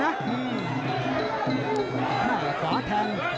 นี่ก็แล้วขาแทง